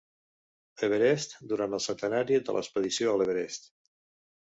Everest durant el centenari de l'expedició a l'Everest.